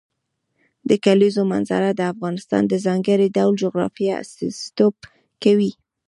د کلیزو منظره د افغانستان د ځانګړي ډول جغرافیه استازیتوب کوي.